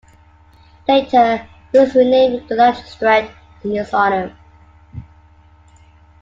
Later, it was renamed Gerlache Strait in his honor.